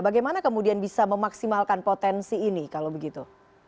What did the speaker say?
bagaimana kemudian bisa memaksimalkan potensi ini kalau begitu